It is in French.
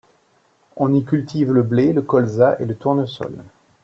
On y cultive le blé, le colza et le tournesol.